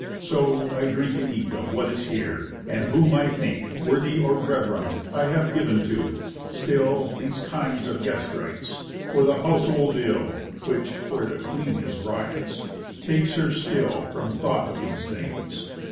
So, I drink And eat of what is here; and whom I think Worthy or rev'rend, I have giv'n to, still, These kinds of guest rites; for the household ill (Which, where the queen is, riots) takes her still From thought of these things.